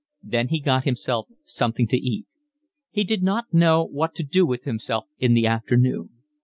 Then he got himself something to eat. He did not know what to do with himself in the afternoon.